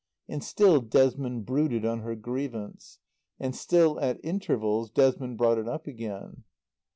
And still Desmond brooded on her grievance. And still at intervals Desmond brought it up again.